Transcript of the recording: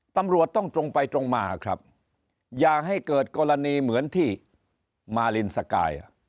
ตำรวจต้องตรงไปตรงมาครับอย่าให้เกิดกรณีเหมือนที่มารินสกาย